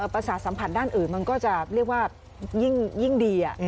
ประสาทสัมผัสด้านอื่นมันก็จะเรียกว่ายิ่งดี